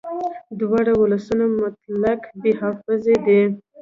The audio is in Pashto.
دواړه ولسونه مطلق بې حافظې دي